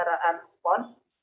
dalam hal penyelenggaraan protes